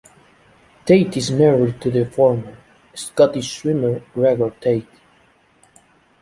Tait is married to the former Scottish swimmer Gregor Tait.